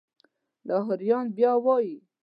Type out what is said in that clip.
لاهوریان بیا وایي.